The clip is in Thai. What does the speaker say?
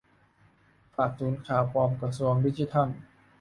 ฝากศูนย์ข่าวปลอมกระทรวงดิจิทัล